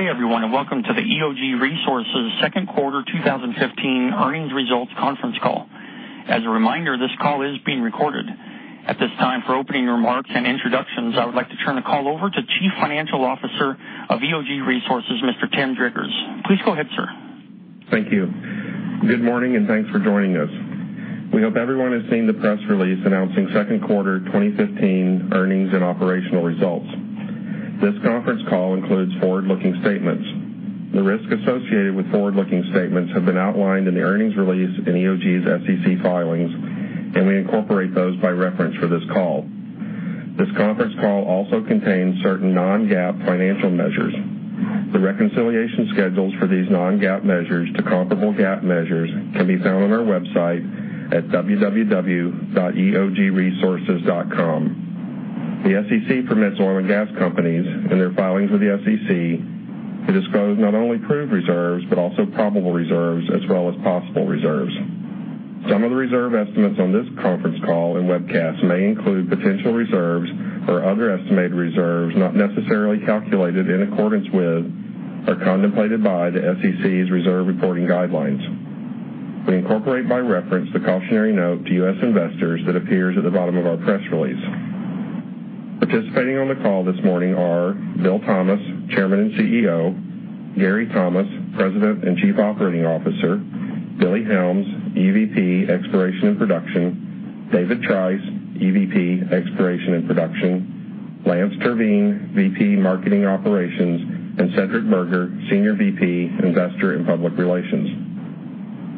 Good day everyone, welcome to the EOG Resources second quarter 2015 earnings results conference call. As a reminder, this call is being recorded. At this time, for opening remarks and introductions, I would like to turn the call over to Chief Financial Officer of EOG Resources, Mr. Tim Driggers. Please go ahead, sir. Thank you. Good morning thanks for joining us. We hope everyone has seen the press release announcing second quarter 2015 earnings and operational results. This conference call includes forward-looking statements. The risks associated with forward-looking statements have been outlined in the earnings release in EOG's SEC filings, we incorporate those by reference for this call. This conference call also contains certain non-GAAP financial measures. The reconciliation schedules for these non-GAAP measures to comparable GAAP measures can be found on our website at www.eogresources.com. The SEC permits oil and gas companies, in their filings with the SEC, to disclose not only proved reserves, but also probable reserves as well as possible reserves. Some of the reserve estimates on this conference call and webcast may include potential reserves or other estimated reserves not necessarily calculated in accordance with or contemplated by the SEC's reserve reporting guidelines. We incorporate by reference the cautionary note to U.S. investors that appears at the bottom of our press release. Participating on the call this morning are Bill Thomas, Chairman and CEO; Gary Thomas, President and Chief Operating Officer; Billy Helms, EVP, Exploration and Production; David Trice, EVP, Exploration and Production; Lance Terveen, VP, Marketing Operations; Cedric Burgher, Senior VP, Investor and Public Relations.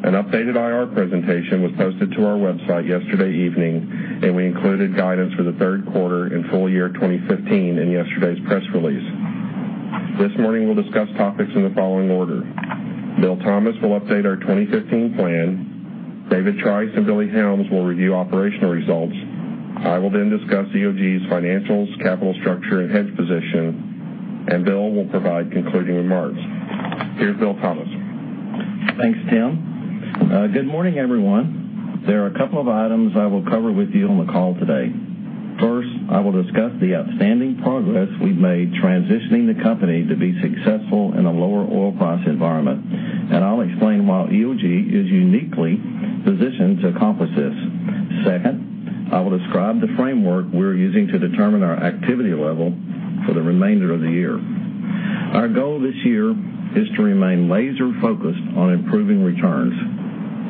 An updated IR presentation was posted to our website yesterday evening, we included guidance for the third quarter and full year 2015 in yesterday's press release. This morning, we'll discuss topics in the following order. Bill Thomas will update our 2015 plan. David Trice and Billy Helms will review operational results. I will then discuss EOG's financials, capital structure, and hedge position, Bill will provide concluding remarks. Here's Bill Thomas. Thanks, Tim. Good morning, everyone. There are a couple of items I will cover with you on the call today. First, I will discuss the outstanding progress we've made transitioning the company to be successful in a lower oil price environment, I'll explain why EOG is uniquely positioned to accomplish this. Second, I will describe the framework we're using to determine our activity level for the remainder of the year. Our goal this year is to remain laser focused on improving returns.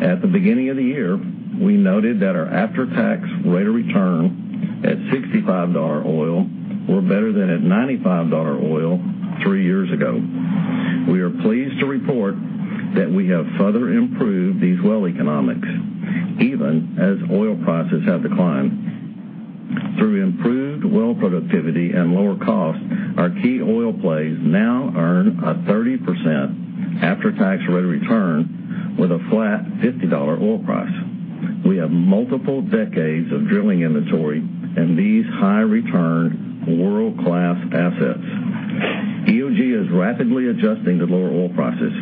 At the beginning of the year, we noted that our after-tax rate of return at $65 oil were better than at $95 oil three years ago. We are pleased to report that we have further improved these well economics, even as oil prices have declined. Through improved well productivity and lower cost, our key oil plays now earn a 30% after-tax rate of return with a flat $50 oil price. We have multiple decades of drilling inventory in these high return, world-class assets. EOG is rapidly adjusting to lower oil prices.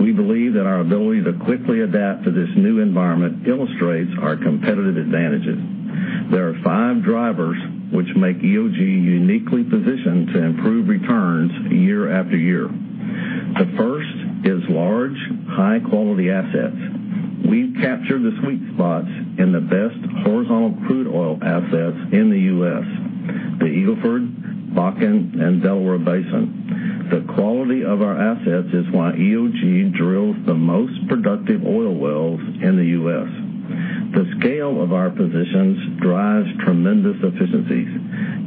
We believe that our ability to quickly adapt to this new environment illustrates our competitive advantages. There are five drivers which make EOG uniquely positioned to improve returns year after year. The first is large, high-quality assets. We've captured the sweet spots in the best horizontal crude oil assets in the U.S., the Eagle Ford, Bakken, and Delaware Basin. The quality of our assets is why EOG drills the most productive oil wells in the U.S. The scale of our positions drives tremendous efficiencies,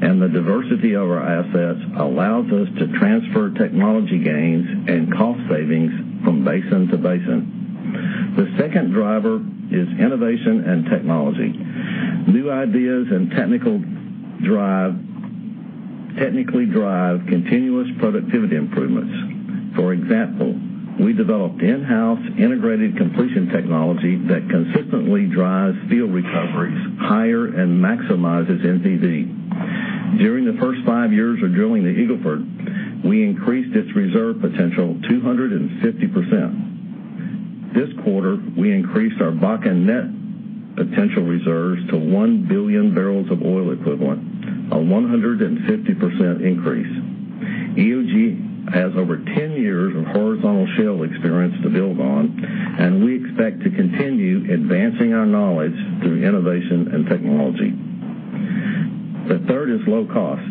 and the diversity of our assets allows us to transfer technology gains and cost savings from basin to basin. The second driver is innovation and technology. New ideas and technically drive continuous productivity improvements. For example, we developed in-house integrated completion technology that consistently drives field recoveries higher and maximizes NPV. During the first five years of drilling the Eagle Ford, we increased its reserve potential 250%. This quarter, we increased our Bakken net potential reserves to 1 billion barrels of oil equivalent, a 150% increase. EOG has over 10 years of horizontal shale experience to build on, and we expect to continue advancing our knowledge through innovation and technology. The third is low cost.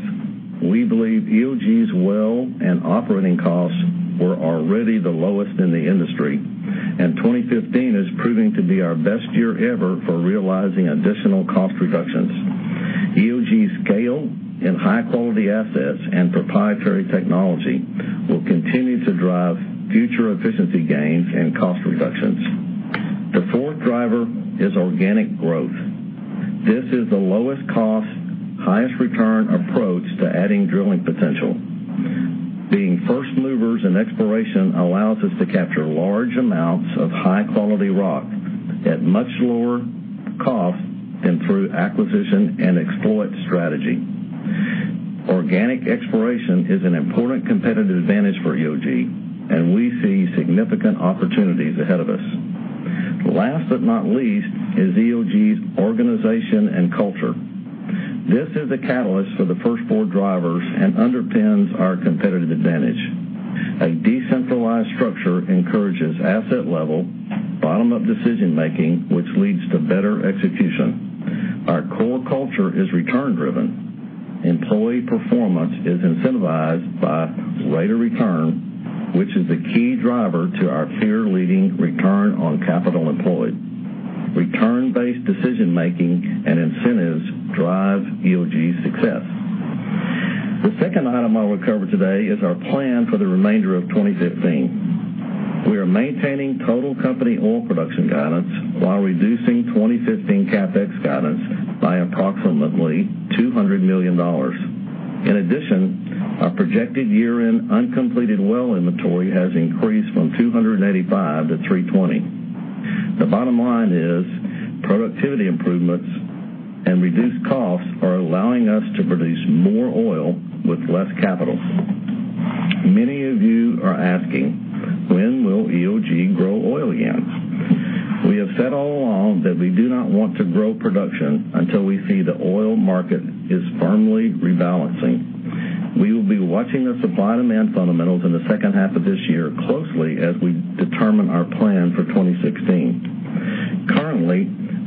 We believe EOG's well and operating costs were already the lowest in the industry, and 2015 is proving to be our best year ever for realizing additional cost reductions. EOG's scale in high-quality assets and proprietary technology will continue to drive future efficiency gains and cost reductions. The fourth driver is organic growth. This is the lowest cost, highest return approach to adding drilling potential. Being first movers in exploration allows us to capture large amounts of high-quality rock at much lower cost than through acquisition and exploit strategy. Organic exploration is an important competitive advantage for EOG, and we see significant opportunities ahead of us. Last but not least is EOG's organization and culture. This is a catalyst for the first four drivers and underpins our competitive advantage. A decentralized structure encourages asset-level, bottom-up decision making, which leads to better execution. Our core culture is return-driven. Employee performance is incentivized by rate of return, which is the key driver to our peer-leading return on capital employed. Return-based decision making and incentives drive EOG's success. The second item I will cover today is our plan for the remainder of 2015. We are maintaining total company oil production guidance while reducing 2015 CapEx guidance by approximately $200 million. In addition, our projected year-end uncompleted well inventory has increased from 285 to 320. The bottom line is productivity improvements and reduced costs are allowing us to produce more oil with less capital. Many of you are asking, when will EOG grow oil again? We have said all along that we do not want to grow production until we see the oil market is firmly rebalancing. We will be watching the supply and demand fundamentals in the second half of this year closely as we determine our plan for 2016. Currently,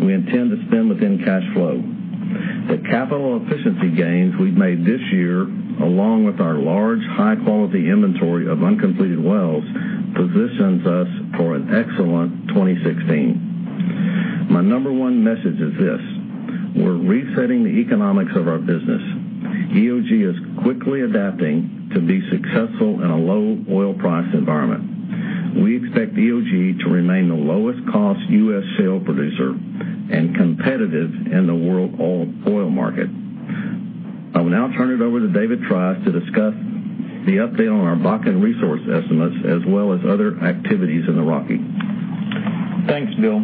we intend to spend within cash flow. The capital efficiency gains we've made this year, along with our large, high-quality inventory of uncompleted wells, positions us for an excellent 2016. My number one message is this: We're resetting the economics of our business. EOG is quickly adapting to be successful in a low oil price environment. We expect EOG to remain the lowest cost U.S. shale producer and competitive in the world oil market. I will now turn it over to David Trice to discuss the update on our Bakken resource estimates, as well as other activities in the Rocky. Thanks, Bill.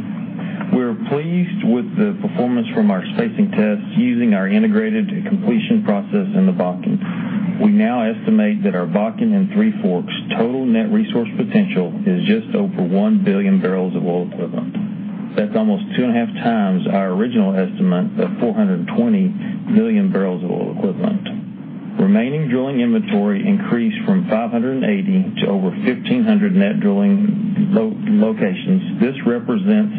We're pleased with the performance from our spacing tests using our integrated completion process in the Bakken. We now estimate that our Bakken and Three Forks total net resource potential is just over 1 billion barrels of oil equivalent. That's almost two and a half times our original estimate of $420 million barrels of oil equivalent. Remaining drilling inventory increased from 580 to over 1,500 net drilling locations. This represents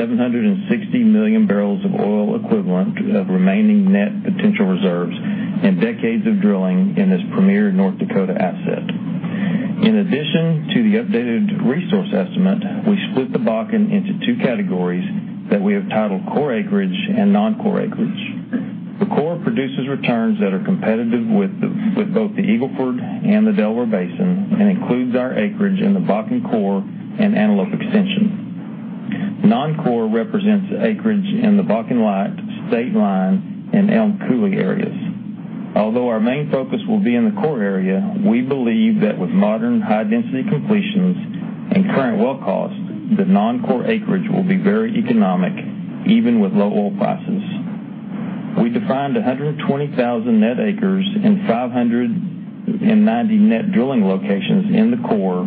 $760 million barrels of oil equivalent of remaining net potential reserves and decades of drilling in this premier North Dakota asset. In addition to the updated resource estimate, we split the Bakken into 2 categories that we have titled core acreage and non-core acreage. The core produces returns that are competitive with both the Eagle Ford and the Delaware Basin and includes our acreage in the Bakken Core and Antelope Extension. Non-core represents acreage in the Bakken Light, State Line, and Elm Coulee areas. Although our main focus will be in the core area, we believe that with modern high density completions and current well cost, the non-core acreage will be very economic, even with low oil prices. We defined 120,000 net acres and 590 net drilling locations in the core,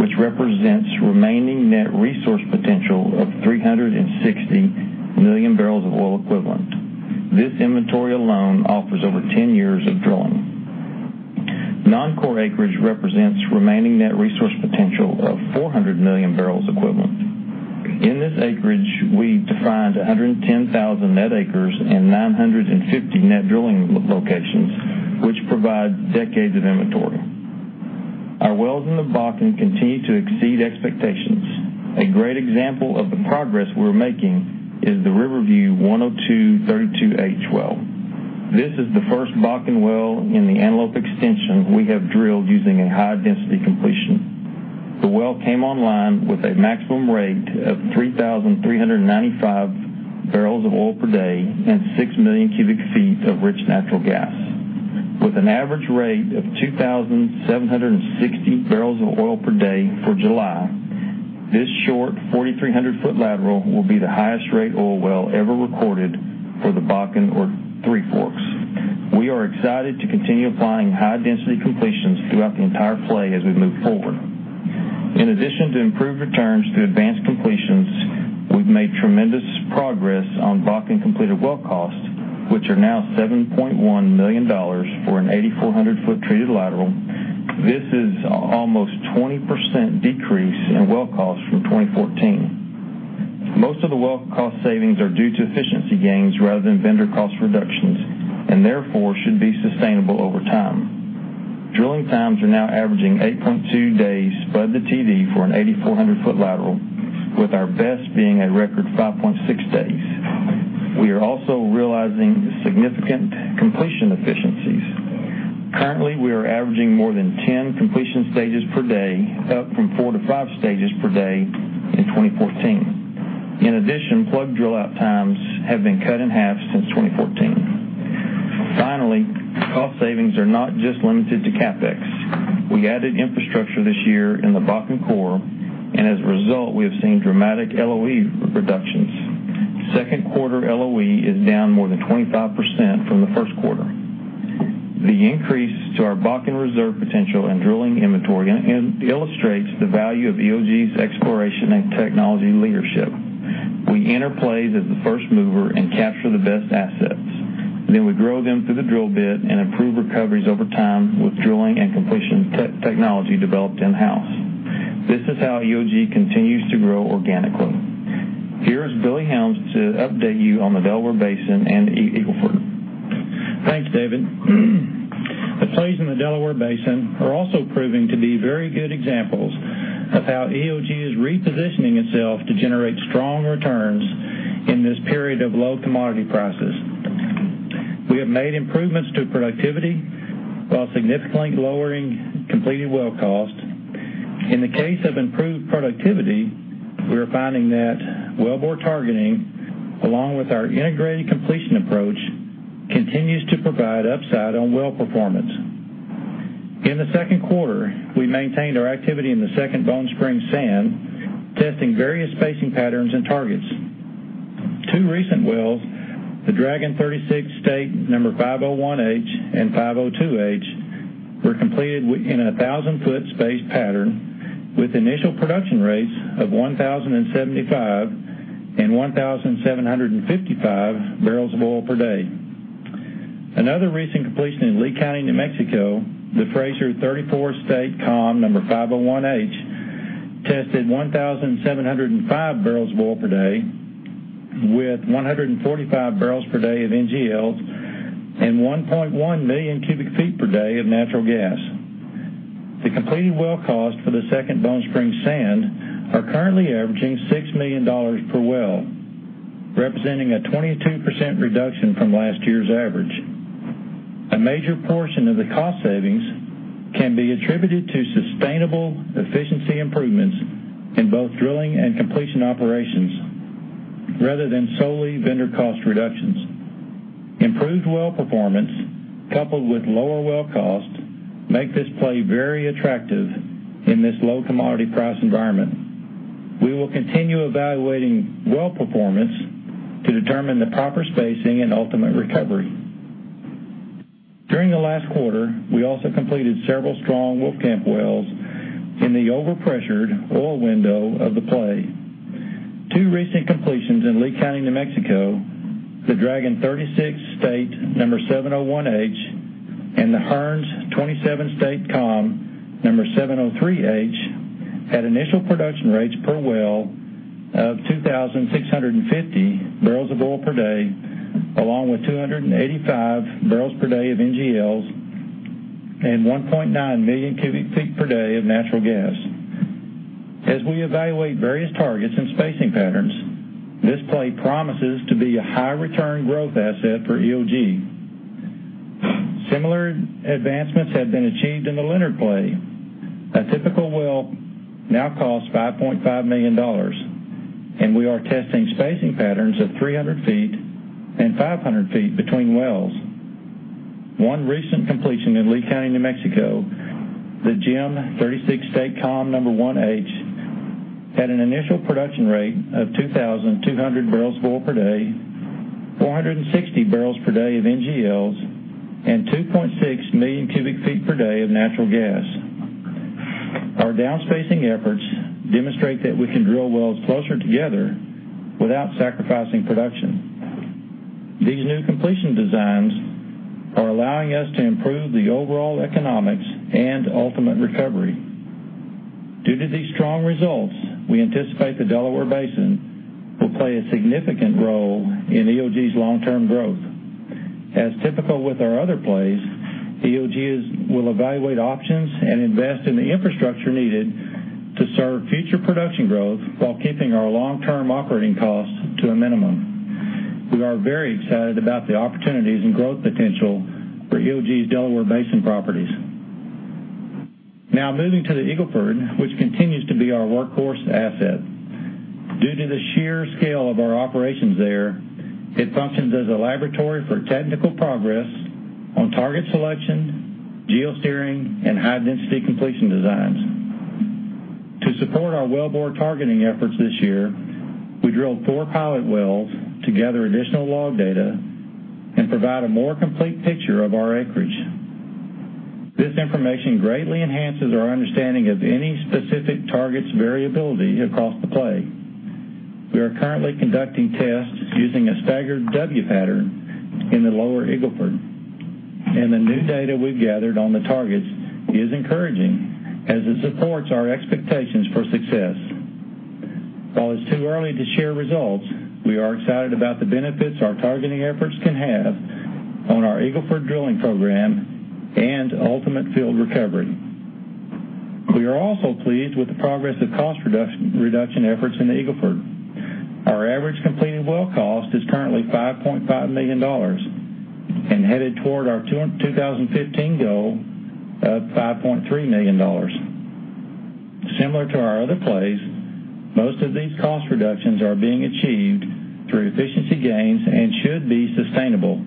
which represents remaining net resource potential of $360 million barrels of oil equivalent. This inventory alone offers over 10 years of drilling. Non-core acreage represents remaining net resource potential of $400 million barrels equivalent. In this acreage, we defined 110,000 net acres and 950 net drilling locations, which provide decades of inventory. Our wells in the Bakken continue to exceed expectations. A great example of the progress we're making is the Riverview 10232H well. This is the first Bakken well in the Antelope Extension we have drilled using a high density completion. The well came online with a maximum rate of 3,395 barrels of oil per day and 6 million cubic feet of rich natural gas. With an average rate of 2,760 barrels of oil per day for July, this short 4,300-foot lateral will be the highest rate oil well ever recorded for the Bakken or Three Forks. We are excited to continue applying high density completions throughout the entire play as we move forward. In addition to improved returns through advanced completions, we've made tremendous progress on Bakken completed well costs, which are now $7.1 million for an 8,400-foot treated lateral. This is almost 20% decrease in well costs from 2014. Most of the well cost savings are due to efficiency gains rather than vendor cost reductions, and therefore should be sustainable over time. Drilling times are now averaging 8.2 days spud to TD for an 8,400-foot lateral, with our best being a record 5.6 days. We are also realizing significant completion efficiencies. Currently, we are averaging more than 10 completion stages per day, up from 4 to 5 stages per day in 2014. In addition, plug drill out times have been cut in half since 2014. Finally, cost savings are not just limited to CapEx. We added infrastructure this year in the Bakken Core, and as a result, we have seen dramatic LOE reductions. Second quarter LOE is down more than 25% from the first quarter. The increase to our Bakken reserve potential and drilling inventory illustrates the value of EOG's exploration and technology leadership. We enter plays as the first mover and capture the best assets. We grow them through the drill bit and improve recoveries over time with drilling and completion technology developed in-house. This is how EOG continues to grow organically. Here is Billy Helms to update you on the Delaware Basin and the Eagle Ford. Thanks, David. The plays in the Delaware Basin are also proving to be very good examples of how EOG is repositioning itself to generate strong returns in this period of low commodity prices. We have made improvements to productivity while significantly lowering completed well cost. In the case of improved productivity, we are finding that well bore targeting, along with our integrated completion approach, continues to provide upside on well performance. In the second quarter, we maintained our activity in the Second Bone Spring Sand, testing various spacing patterns and targets. Two recent wells, the Dragon 36 State number 501H and 502H, were completed in 1,000-foot space pattern with initial production rates of 1,075 and 1,755 barrels of oil per day. Another recent completion in Lea County, New Mexico, the Frazier 34 State Comm number 501H, tested 1,705 barrels of oil per day with 145 barrels per day of NGLs and 1.1 million cubic feet per day of natural gas. The completed well cost for the Second Bone Spring Sand are currently averaging $6 million per well, representing a 22% reduction from last year's average. A major portion of the cost savings can be attributed to sustainable efficiency improvements in both drilling and completion operations, rather than solely vendor cost reductions. Improved well performance coupled with lower well cost make this play very attractive in this low commodity price environment. We will continue evaluating well performance to determine the proper spacing and ultimate recovery. During the last quarter, we also completed several strong Wolfcamp wells in the overpressured oil window of the play. Two recent completions in Lea County, New Mexico, the Dragon 36 State number 701H and the Hearns 27 State Comm number 703H, had initial production rates per well of 2,650 barrels of oil per day, along with 285 barrels per day of NGLs and 1.9 million cubic feet per day of natural gas. As we evaluate various targets and spacing patterns, this play promises to be a high return growth asset for EOG. Similar advancements have been achieved in the Leonard play. A typical well now costs $5.5 million, and we are testing spacing patterns of 300 feet and 500 feet between wells. One recent completion in Lea County, New Mexico, the Jim 36 State Comm number 1H, had an initial production rate of 2,200 barrels of oil per day, 460 barrels per day of NGLs, and 2.6 million cubic feet per day of natural gas. Our down spacing efforts demonstrate that we can drill wells closer together without sacrificing production. These new completion designs are allowing us to improve the overall economics and ultimate recovery. Due to these strong results, we anticipate the Delaware Basin will play a significant role in EOG's long-term growth. As typical with our other plays, EOG will evaluate options and invest in the infrastructure needed to serve future production growth while keeping our long-term operating costs to a minimum. We are very excited about the opportunities and growth potential for EOG's Delaware Basin properties. Now moving to the Eagle Ford, which continues to be our workhorse asset. Due to the sheer scale of our operations there, it functions as a laboratory for technical progress on target selection, geo-steering, and high-density completion designs. To support our well bore targeting efforts this year, we drilled four pilot wells to gather additional log data and provide a more complete picture of our acreage. This information greatly enhances our understanding of any specific target's variability across the play. We are currently conducting tests using a staggered W pattern in the lower Eagle Ford, and the new data we've gathered on the targets is encouraging as it supports our expectations for success. While it's too early to share results, we are excited about the benefits our targeting efforts can have on our Eagle Ford drilling program and ultimate field recovery. We are also pleased with the progress of cost reduction efforts in the Eagle Ford. Our average completed well cost is currently $5.5 million and headed toward our 2015 goal of $5.3 million. Also, the productivity of the wells continues to show steady improvement through our emphasis on targeting and high-density completions. Similar to our other plays, most of these cost reductions are being achieved through efficiency gains and should be sustainable.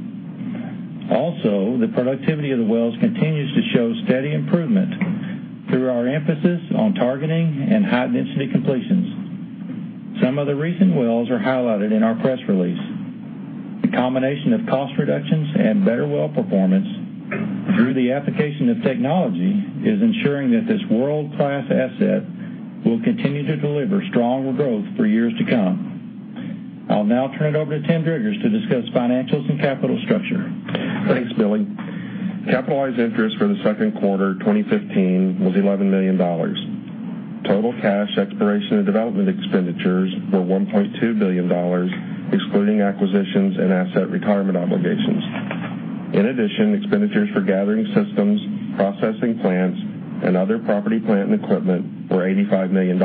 Some of the recent wells are highlighted in our press release. The combination of cost reductions and better well performance through the application of technology is ensuring that this world-class asset will continue to deliver stronger growth for years to come. I'll now turn it over to Tim Driggers to discuss financials and capital structure. Thanks, Billy. Capitalized interest for the second quarter 2015 was $11 million. Total cash exploration and development expenditures were $1.2 billion, excluding acquisitions and asset retirement obligations. In addition, expenditures for gathering systems, processing plants, and other property, plant, and equipment were $85 million.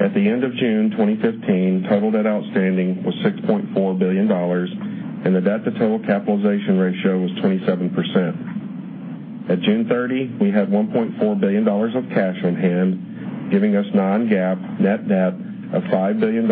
At the end of June 2015, total debt outstanding was $6.4 billion, and the debt-to-total capitalization ratio was 27%. At June 30, we had $1.4 billion of cash on hand, giving us non-GAAP net debt of $5 billion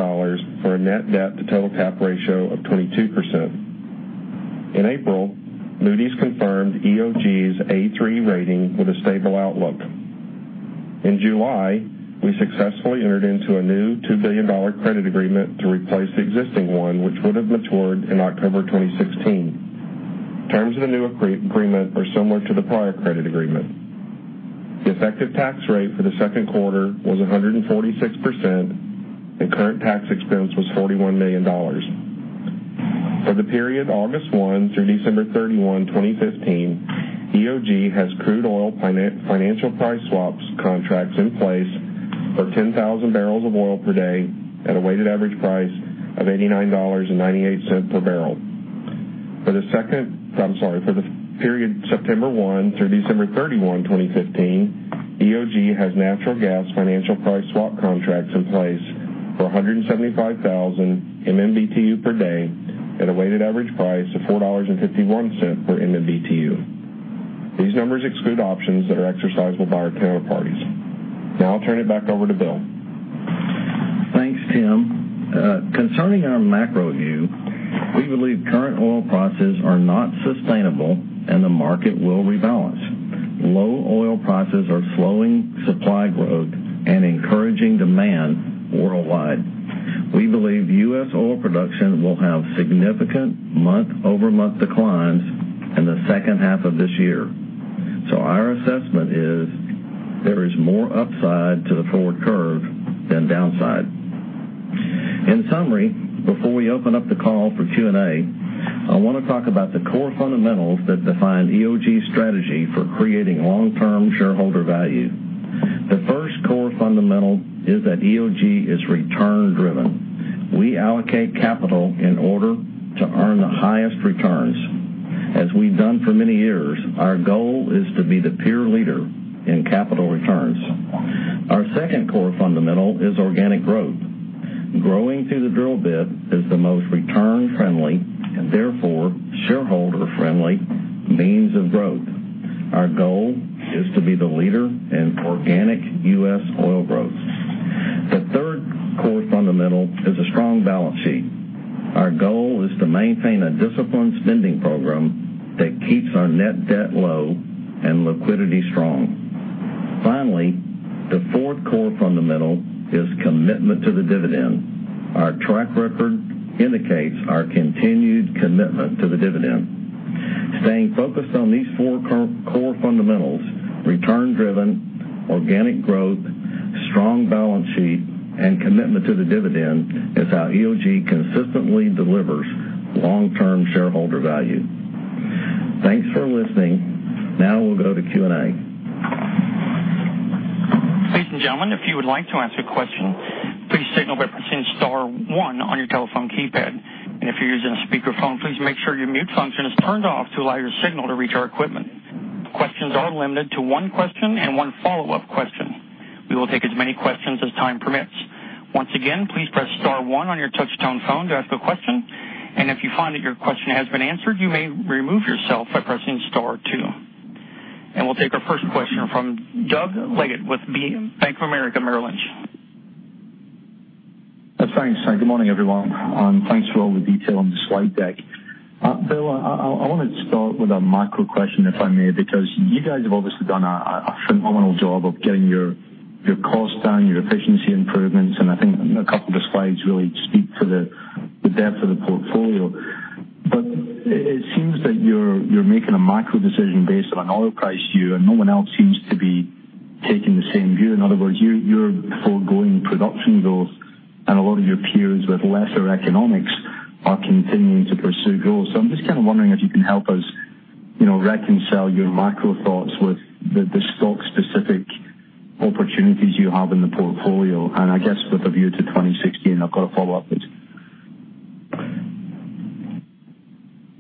for a net debt to total cap ratio of 22%. In April, Moody's confirmed EOG's A3 rating with a stable outlook. In July, we successfully entered into a new $2 billion credit agreement to replace the existing one, which would have matured in October 2016. Terms of the new agreement are similar to the prior credit agreement. The effective tax rate for the second quarter was 146%, and current tax expense was $41 million. For the period August 1 through December 31, 2015, EOG has crude oil financial price swaps contracts in place for 10,000 barrels of oil per day at a weighted average price of $89.98 per barrel. For the period September 1 through December 31, 2015, EOG has natural gas financial price swap contracts in place for 175,000 MMBtu per day at a weighted average price of $4.51 per MMBtu. These numbers exclude options that are exercisable by our counterparties. I'll turn it back over to Bill. Thanks, Tim. Concerning our macro view, we believe current oil prices are not sustainable and the market will rebalance. Low oil prices are slowing supply growth and encouraging demand worldwide. We believe U.S. oil production will have significant month-over-month declines in the second half of this year. Our assessment is there is more upside to the forward curve than downside. In summary, before we open up the call for Q&A, I want to talk about the core fundamentals that define EOG's strategy for creating long-term shareholder value. The first core fundamental is that EOG is return driven. We allocate capital in order to earn the highest returns. As we've done for many years, our goal is to be the peer leader in capital returns. Our second core fundamental is organic growth. Growing through the drill bit is the most return friendly and therefore shareholder friendly means of growth. Our goal is to be the leader in organic U.S. oil growth. The third core fundamental is a strong balance sheet. Our goal is to maintain a disciplined spending program that keeps our net debt low and liquidity strong. Finally, the fourth core fundamental is commitment to the dividend. Our track record indicates our continued commitment to the dividend. Staying focused on these four core fundamentals, return driven, organic growth, strong balance sheet, and commitment to the dividend, is how EOG consistently delivers long-term shareholder value. Thanks for listening. Now we'll go to Q&A. Ladies and gentlemen, if you would like to ask a question, please signal by pressing star one on your telephone keypad. If you're using a speakerphone, please make sure your mute function is turned off to allow your signal to reach our equipment. Questions are limited to one question and one follow-up question. We will take as many questions as time permits. Once again, please press star one on your touch-tone phone to ask a question. If you find that your question has been answered, you may remove yourself by pressing star two. We'll take our first question from Doug Leggate with BofA, Bank of America Merrill Lynch. Thanks. Good morning, everyone, and thanks for all the detail on the slide deck. Bill, I want to start with a macro question, if I may, because you guys have obviously done a phenomenal job of getting your costs down, your efficiency improvements, and I think a couple of the slides really speak to the depth of the portfolio. But it seems that you're making a macro decision based on an oil price view and no one else seems to be taking the same view. In other words, you're foregoing production growth and a lot of your peers with lesser economics are continuing to pursue growth. I'm just kind of wondering if you can help us reconcile your macro thoughts with the stock specific opportunities you have in the portfolio, and I guess with a view to 2016. I've got a follow-up.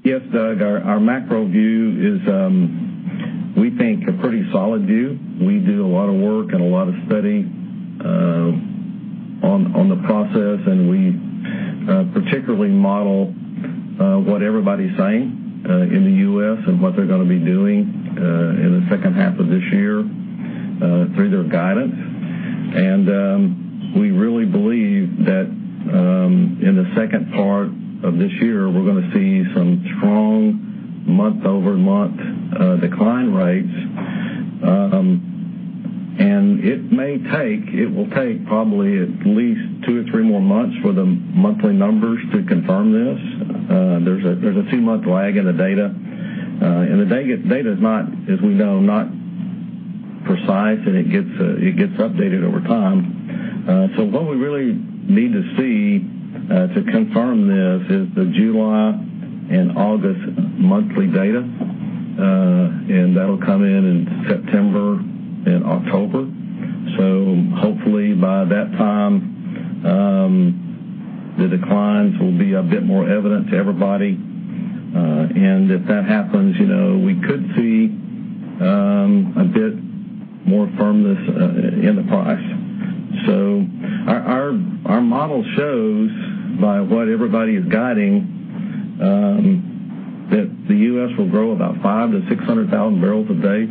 Yes, Doug, our macro view is we think a pretty solid view. We do a lot of work and a lot of study on the process. We particularly model what everybody's saying in the U.S. and what they're going to be doing in the second half of this year through their guidance. We really believe that in the second part of this year, we're going to see some strong month-over-month decline rates. It may take probably at least two or three more months for the monthly numbers to confirm this. There's a two-month lag in the data, and the data is, as we know, not precise, and it gets updated over time. What we really need to see to confirm this is the July and August monthly data, and that'll come in in September and October. Hopefully by that time, the declines will be a bit more evident to everybody. If that happens, we could see a bit more firmness in the price. Our model shows, by what everybody is guiding, that the U.S. will grow about 500,000 to 600,000 barrels a day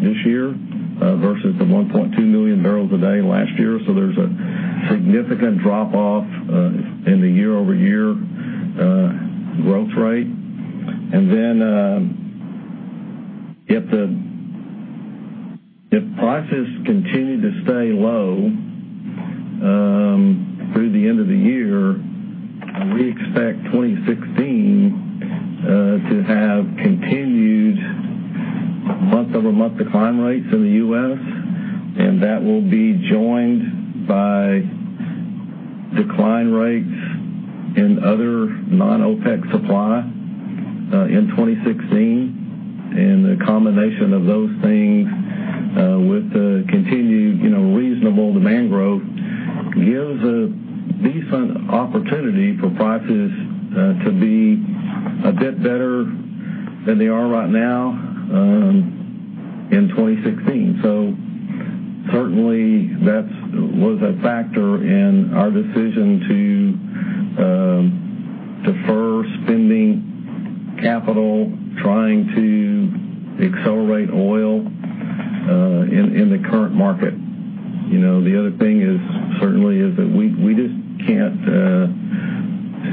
this year versus the 1.2 million barrels a day last year. There's a significant drop-off in the year-over-year growth rate. If prices continue to stay low through the end of the year, we expect 2016 to have continued month-over-month decline rates in the U.S., and that will be joined by decline rates in other non-OPEC supply in 2016. The combination of those things with the continued reasonable demand growth gives a decent opportunity for prices to be a bit better than they are right now in 2016. Certainly, that was a factor in our decision to defer spending capital, trying to accelerate oil in the current market. The other thing certainly is that we just can't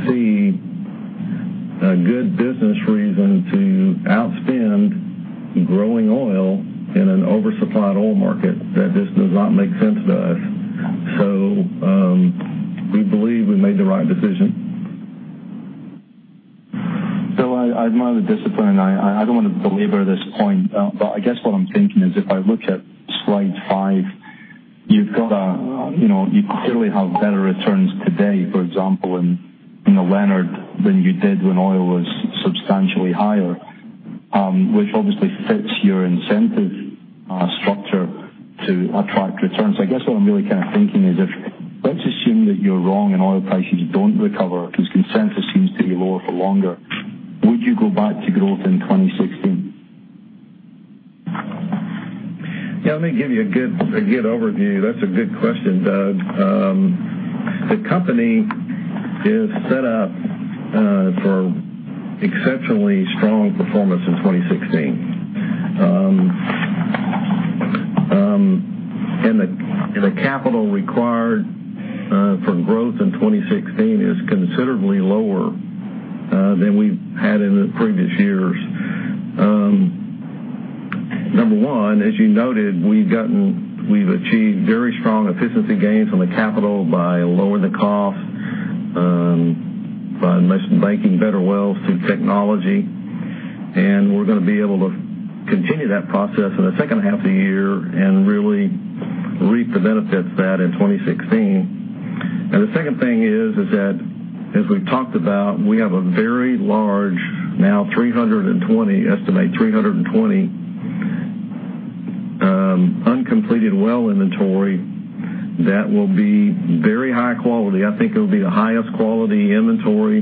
see a good business reason to outspend growing oil in an oversupplied oil market. That just does not make sense to us. We believe we made the right decision. I admire the discipline. I don't want to belabor this point, but I guess what I'm thinking is if I look at slide five, you clearly have better returns today, for example, in the Leonard than you did when oil was substantially higher, which obviously fits your incentive structure to attract returns. I guess what I'm really thinking is, let's assume that you're wrong and oil prices don't recover, because consensus seems to be lower for longer. Would you go back to growth in 2016? Yeah, let me give you a good overview. That's a good question, Doug. The company is set up for exceptionally strong performance in 2016. The capital required for growth in 2016 is considerably lower than we've had in the previous years. Number 1, as you noted, we've achieved very strong efficiency gains on the capital by lowering the cost, by making better wells through technology, and we're going to be able to continue that process in the second half of the year and really reap the benefits of that in 2016. The second thing is that, as we've talked about, we have a very large, now estimate 320 uncompleted well inventory that will be very high quality. I think it will be the highest quality inventory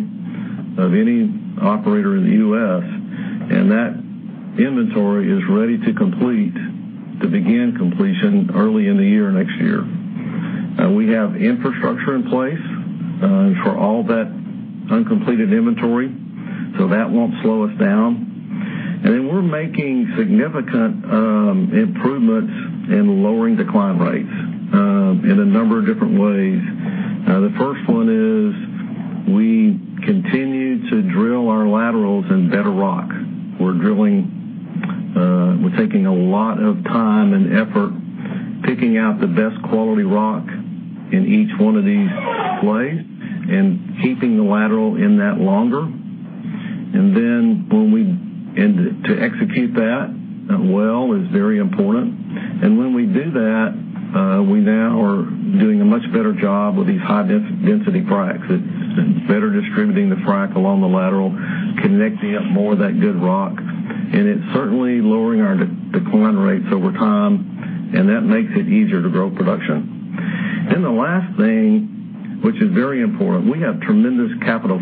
of any operator in the U.S., and that inventory is ready to complete, to begin completion early in the year, next year. We have infrastructure in place for all that uncompleted inventory, so that won't slow us down. We're making significant improvements in lowering decline rates in a number of different ways. The first one is we continue to drill our laterals in better rock. We're taking a lot of time and effort picking out the best quality rock in each one of these plays and keeping the lateral in that longer. To execute that well is very important. When we do that, we now are doing a much better job with these high-density fracs. It's better distributing the frac along the lateral, connecting up more of that good rock, and it's certainly lowering our decline rates over time, and that makes it easier to grow production. The last thing, which is very important, we have tremendous capital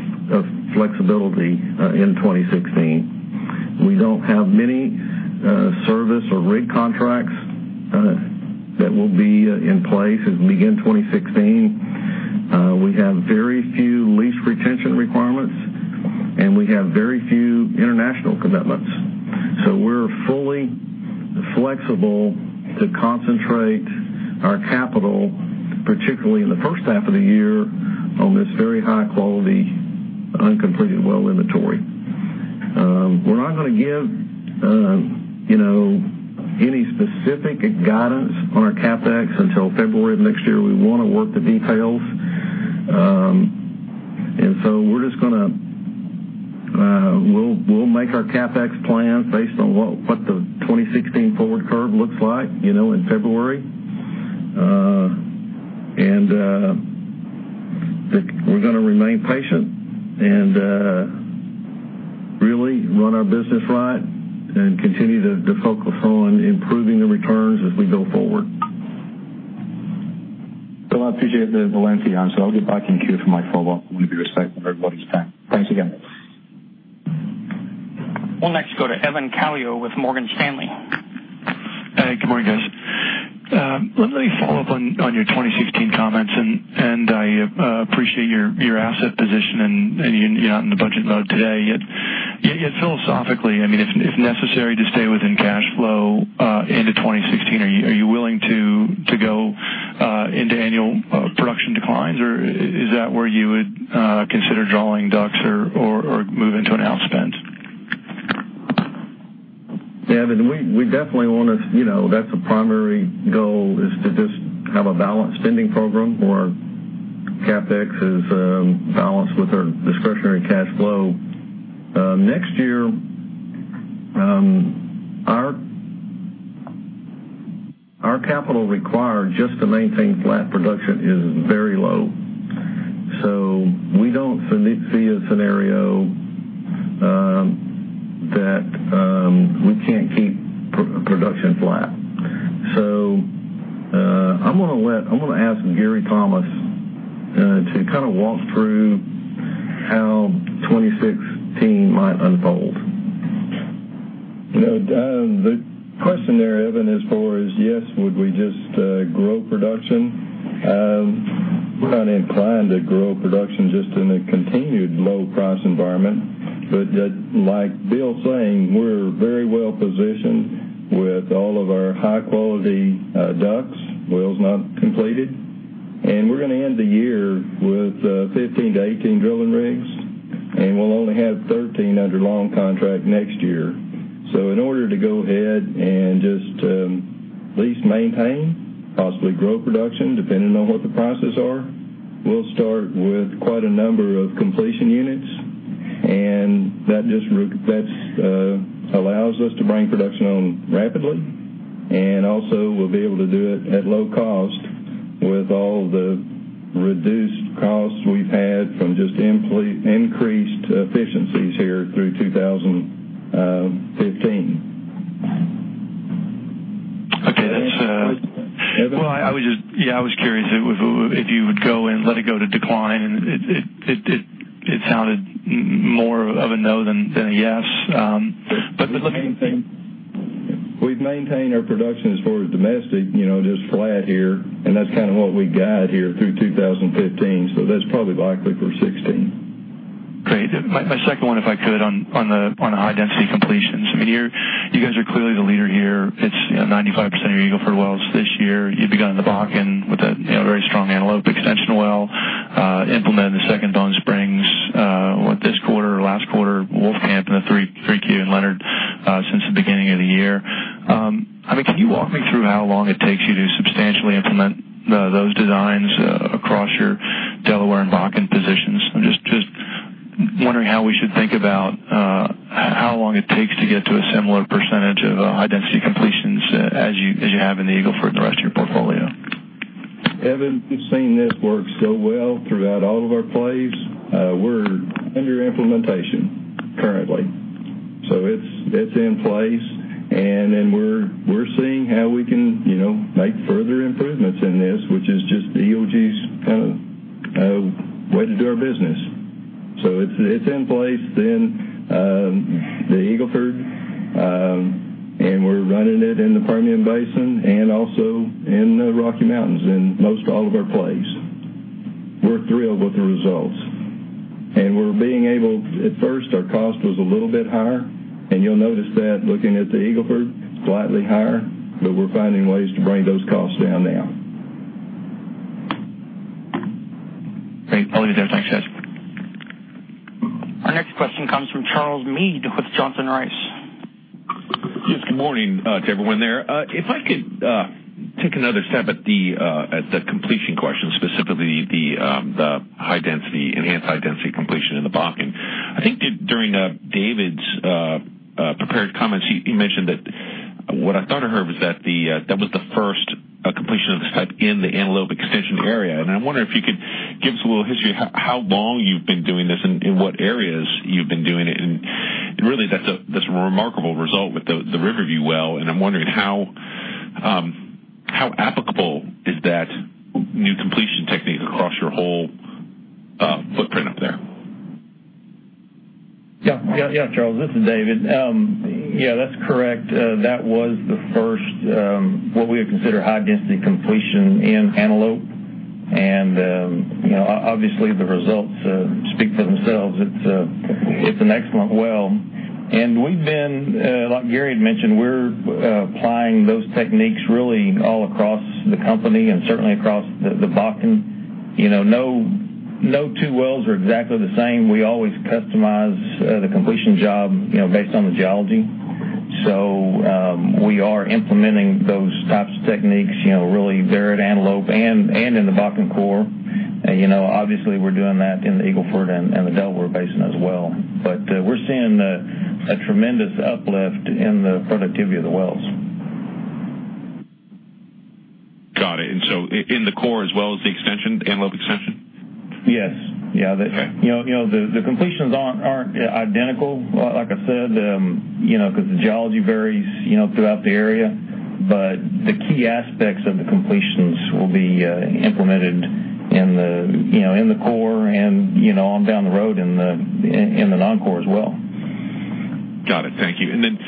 flexibility in 2016. We don't have many service or rig contracts that will be in place as we begin 2016. We have very few lease retention requirements, and we have very few international commitments. We're fully flexible to concentrate our capital, particularly in the first half of the year, on this very high-quality. Uncompleted well inventory. We're not going to give any specific guidance on our CapEx until February of next year. We want to work the details. We'll make our CapEx plan based on what the 2016 forward curve looks like in February. We're going to remain patient and really run our business right and continue to focus on improving the returns as we go forward. Bill, I appreciate the length of the answer. I'll get back in queue for my follow-up. I want to be respectful of everybody's time. Thanks again. We'll next go to Evan Calio with Morgan Stanley. Hey, good morning, guys. Let me follow up on your 2016 comments. I appreciate your asset position. You're not in the budget mode today. Philosophically, if necessary to stay within cash flow into 2016, are you willing to go into annual production declines or is that where you would consider drawing DUCs or move into an outspend? Yeah, that's the primary goal is to just have a balanced spending program where CapEx is balanced with our discretionary cash flow. Next year, our capital required just to maintain flat production is very low. We don't see a scenario that we can't keep production flat. I'm going to ask Gary Thomas to walk through how 2016 might unfold. The question there, Evan, as far as, yes, would we just grow production? We're not inclined to grow production just in a continued low price environment. Like Bill's saying, we're very well positioned with all of our high-quality DUCs, wells not completed. We're going to end the year with 15-18 drilling rigs, and we'll only have 13 under long contract next year. In order to go ahead and just at least maintain, possibly grow production, depending on what the prices are, we'll start with quite a number of completion units. That just allows us to bring production on rapidly. Also we'll be able to do it at low cost with all the reduced costs we've had from just increased efficiencies here through 2015. Okay. Evan? Well, I was curious if you would go and let it go to decline, and it sounded more of a no than a yes. We've maintained our production as far as domestic, just flat here, and that's what we guide here through 2015. That's probably likely for 2016. Great. My second one, if I could, on the high-density completions. You guys are clearly the leader here. It's 95% of your Eagle Ford wells this year. You've begun in the Bakken with a very strong Antelope extension well. Implemented a second Bone Springs, what, this quarter or last quarter, Wolfcamp in the 3Q, and Leonard since the beginning of the year. Can you walk me through how long it takes you to substantially implement those designs across your Delaware and Bakken positions? I'm just wondering how we should think about how long it takes to get to a similar percentage of high-density completions as you have in the Eagle Ford the rest of your portfolio. Evan, we've seen this work so well throughout all of our plays. We're under implementation currently. It's in place, and then we're seeing how we can make further improvements in this, which is just EOG's way to do our business. It's in place in the Eagle Ford, and we're running it in the Permian Basin and also in the Rocky Mountains, in most all of our plays. We're thrilled with the results. At first, our cost was a little bit higher, and you'll notice that looking at the Eagle Ford, slightly higher, but we're finding ways to bring those costs down now. Great. I'll leave it there. Thanks, guys. Our next question comes from Charles Meade with Johnson Rice. Yes, good morning to everyone there. If I could take another stab at the completion question, specifically the enhanced high-density completion in the Bakken. I think during David's prepared comments, he mentioned that what I thought I heard was that was the first completion of this type in the Antelope extension area. I wonder if you could give us a little history of how long you've been doing this and in what areas you've been doing it in. Really, that's a remarkable result with the Riverview well, and I'm wondering how applicable is that new completion technique across your whole footprint up there? Yeah, Charles, this is David. Yeah, that's correct. That was the first what we would consider high-density completion in Antelope, obviously the results speak for themselves. It's an excellent well. We've been, like Gary had mentioned, we're applying those techniques really all across the company and certainly across the Bakken. No two wells are exactly the same. We always customize the completion job based on the geology. We are implementing those types of techniques, really there at Antelope and in the Bakken core. Obviously, we're doing that in the Eagle Ford and the Delaware Basin as well. We're seeing a tremendous uplift in the productivity of the wells. Got it. In the core as well as the Antelope extension? Yes. Yeah. Okay. The completions aren't identical, like I said, because the geology varies throughout the area. The key aspects of the completions will be implemented in the core and on down the road in the non-core as well. Got it. Thank you. Then,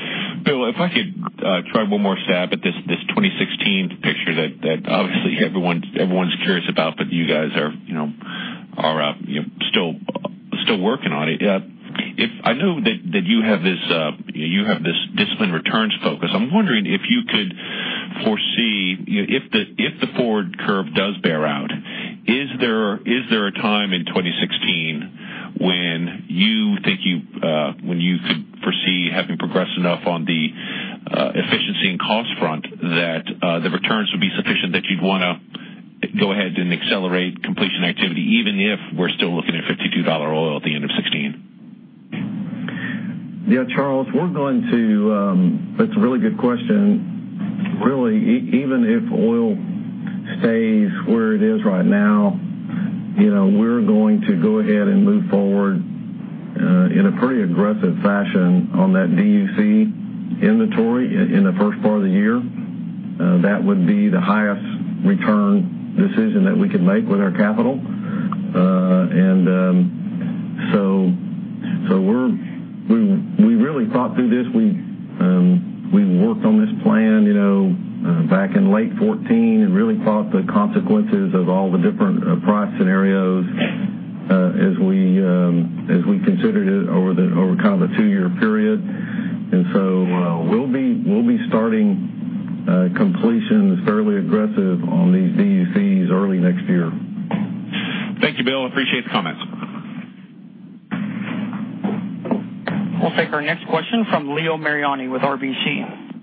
Bill, if I could try one more stab at this 2016 picture that obviously everyone's curious about, but you guys are still working on it. I know that you have this disciplined returns focus. I'm wondering if you could foresee, if the forward curve does bear out, is there a time in 2016 when you could foresee having progressed enough on the efficiency and cost front that the returns would be sufficient that you'd want to go ahead and accelerate completion activity, even if we're still looking at $52 oil at the end of 2016? Yeah, Charles, that's a really good question. Really, even if oil stays where it is right now, we're going to go ahead and move forward in a pretty aggressive fashion on that DUC inventory in the first part of the year. That would be the highest return decision that we could make with our capital. We really thought through this. We worked on this plan back in late 2014 and really thought the consequences of all the different price scenarios as we considered it over kind of a two-year period. We'll be starting completions fairly aggressive on these DUCs early next year. Thank you, Bill. Appreciate the comments. We'll take our next question from Leo Mariani with RBC.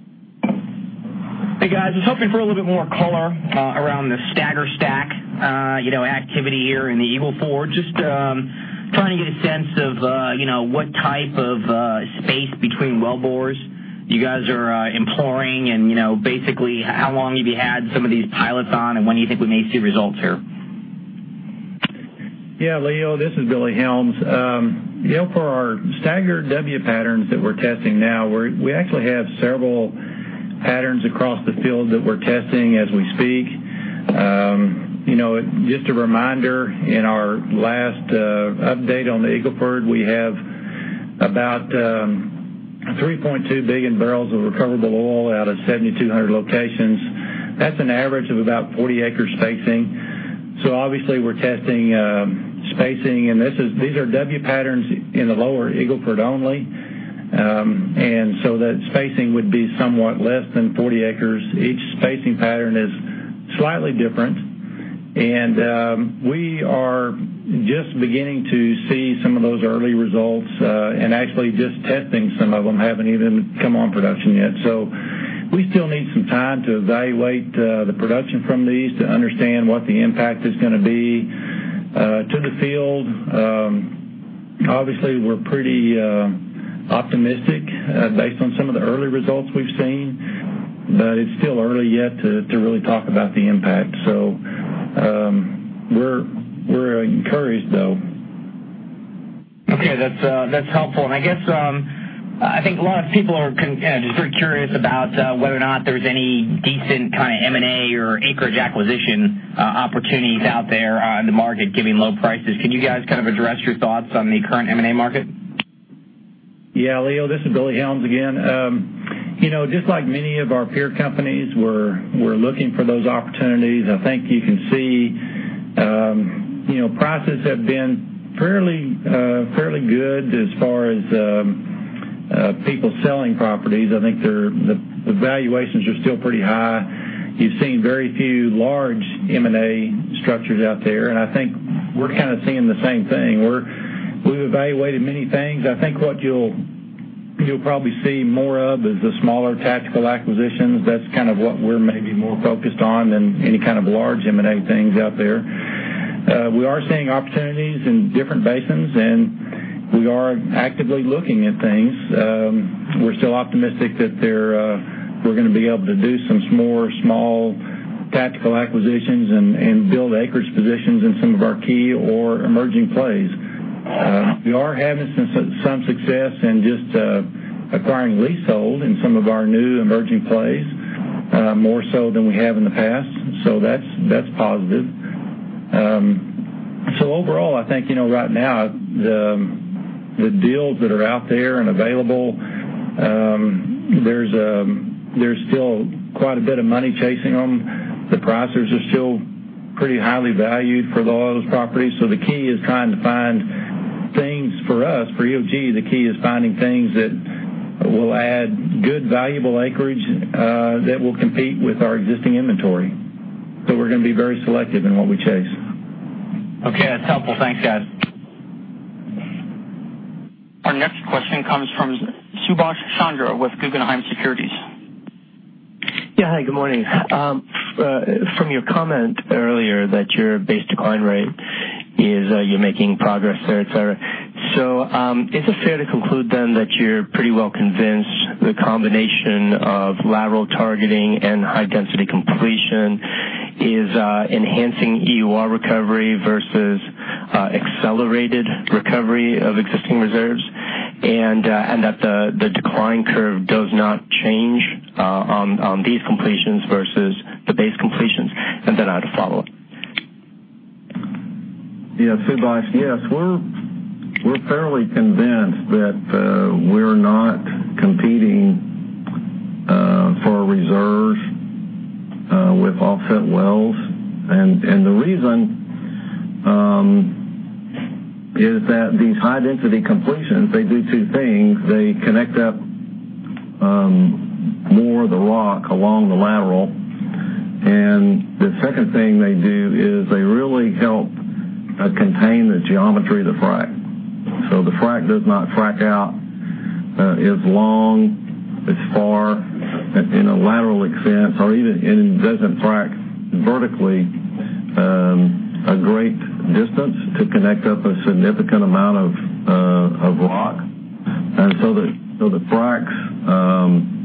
Hey, guys. I was hoping for a little bit more color around the stagger stack activity here in the Eagle Ford. Just trying to get a sense of what type of space between well bores you guys are employing and basically how long have you had some of these pilots on, and when do you think we may see results here? Yeah, Leo, this is Billy Helms. For our staggered W patterns that we're testing now, we actually have several patterns across the field that we're testing as we speak. Just a reminder, in our last update on the Eagle Ford, we have about 3.2 billion barrels of recoverable oil out of 7,200 locations. That's an average of about 40 acre spacing. Obviously, we're testing spacing, and these are W patterns in the lower Eagle Ford only. That spacing would be somewhat less than 40 acres. Each spacing pattern is slightly different. We are just beginning to see some of those early results, and actually just testing some of them, haven't even come on production yet. We still need some time to evaluate the production from these to understand what the impact is going to be to the field. Obviously, we're pretty optimistic based on some of the early results we've seen, but it's still early yet to really talk about the impact. We're encouraged, though. Okay. That's helpful. I think a lot of people are just very curious about whether or not there's any decent kind of M&A or acreage acquisition opportunities out there on the market given low prices. Can you guys address your thoughts on the current M&A market? Yeah, Leo, this is Billy Helms again. Just like many of our peer companies, we're looking for those opportunities. I think you can see prices have been fairly good as far as people selling properties. I think the valuations are still pretty high. You've seen very few large M&A structures out there, and I think we're kind of seeing the same thing. We've evaluated many things. I think what you'll probably see more of is the smaller tactical acquisitions. That's what we're maybe more focused on than any kind of large M&A things out there. We are seeing opportunities in different basins, we are actively looking at things. We're still optimistic that we're going to be able to do some more small tactical acquisitions and build acreage positions in some of our key or emerging plays. We are having some success in just acquiring leasehold in some of our new emerging plays, more so than we have in the past. That's positive. Overall, I think right now, the deals that are out there and available, there's still quite a bit of money chasing them. The prices are still pretty highly valued for those properties. For us, for EOG, the key is finding things that will add good valuable acreage that will compete with our existing inventory. We're going to be very selective in what we chase. Okay, that's helpful. Thanks, guys. Our next question comes from Subash Chandra with Guggenheim Securities. Yeah, hi, good morning. From your comment earlier that your base decline rate is you're making progress there, et cetera. Is it fair to conclude then that you're pretty well convinced the combination of lateral targeting and high-density completion is enhancing EUR recovery versus accelerated recovery of existing reserves, and that the decline curve does not change on these completions versus the base completions? Then I have a follow-up. Yes. Subash, yes. We're fairly convinced that we're not competing for reserves with offset wells. The reason is that these high-density completions, they do two things. They connect up more of the rock along the lateral. The second thing they do is they really help contain the geometry of the frack. The frack does not frack out as long, as far in a lateral extent or even, it doesn't frack vertically a great distance to connect up a significant amount of rock. The fracks